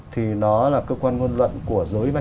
thì nó là cơ quan ngôn luận của